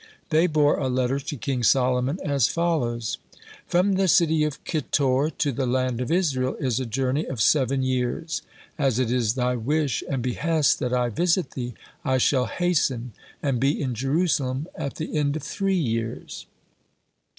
They bore a letter to King Solomon as follows: "From the city of Kitor to the land of Israel is a journey of seven years. As it is thy wish and behest that I visit thee, I shall hasten and be in Jerusalem at the end of three years."